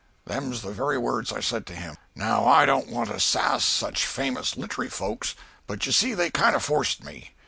Them's the very words I said to him. Now I don't want to sass such famous littery people, but you see they kind of forced me.